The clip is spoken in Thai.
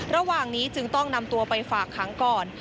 ระหว่างนี้จึงต้องนำตัวไปฝากขังก่อน